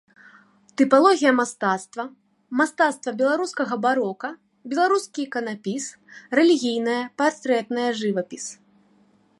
Тыпалогія мастацтва, мастацтва беларускага барока, беларускі іканапіс, рэлігійная, партрэтная жывапіс.